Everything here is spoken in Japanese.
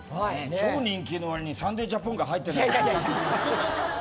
超人気のわりにサンデージャポンが入ってない。